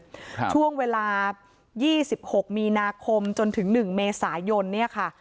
ครับช่วงเวลายี่สิบหกมีนาคมจนถึงหนึ่งเมษายนเนี้ยค่ะ